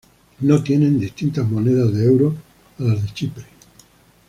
No tienen distintas monedas de euro a las de Chipre.